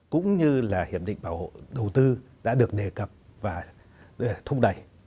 cũng như là hiệp định bảo hộ đầu tư đã được đề cập và thúc đẩy